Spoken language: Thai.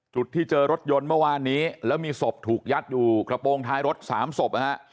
จุดที่เจอรถยนต์เมื่อวานนี้แล้วมีศพถูกยัดอยู่กระโปรงท้ายรถสามศพนะฮะ